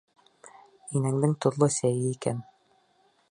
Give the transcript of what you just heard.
Инәңдең тоҙло сәйе икән...